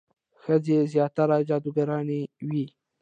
ښځې زیاتره جادوګرانې وي.